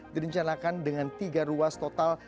direncanakan dengan tiga ruas total